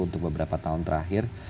untuk beberapa tahun terakhir